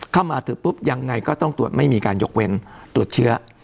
เข้ามาถึงปุ๊บยังไงก็ต้องตรวจไม่มีการยกเว้นตรวจเชื้อ